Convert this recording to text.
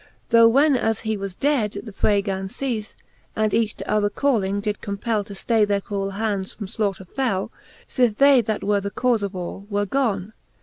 Tho when as he was dead, the fray gan ceafTe, And each to other calling, did compell To ftay their cruell hands from flaughter fell, Sith they, that were the caufe of all, were gone.